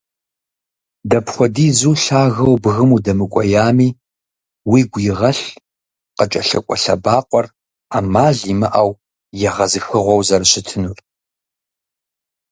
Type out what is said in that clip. Дэпхуэдизу лъагэу бгым удэмыкӏуеями уигу игъэлъ, къыкӏэлъыкӏуэ лъэбакъуэр ӏэмал имыӏэу егъэзыхыгъуэу зэрыщытынур.